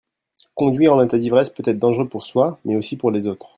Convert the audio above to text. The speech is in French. Conduire en état d'ivresse peut être dangereux pour soi mais aussi pour les autres.